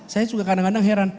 saya juga kadang kadang heran